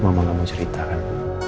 mama gak mau cerita kan